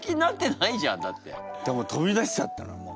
でも飛び出しちゃったのもう。